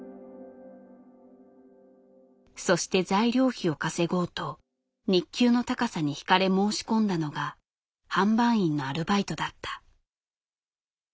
そして材料費を稼ごうと日給の高さに惹かれ申し込んだのが販売員のアルバイトだった。